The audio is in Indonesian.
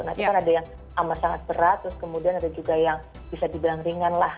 nanti kan ada yang amat sangat berat terus kemudian ada juga yang bisa dibilang ringan lah